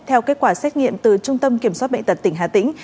theo kết quả xét nghiệm từ trung tâm kiểm soát bệnh tật tỉnh hà tĩnh